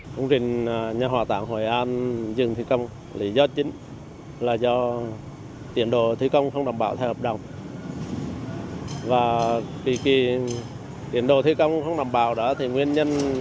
theo lãnh đạo thành phố hội an dự án bị đình trệ là công ty cổ phần xây dựng và cấp thoát nước quảng nam